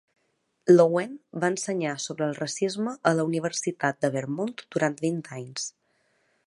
Loewen va ensenyar sobre el racisme a la Universitat de Vermont durant vint anys.